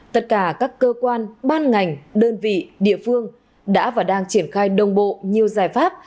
tất cả các cơ quan ban ngành đơn vị địa phương đã và đang triển khai đồng bộ nhiều giải pháp